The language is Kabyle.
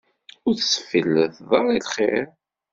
Ur tesfilliteḍ ara i lxir.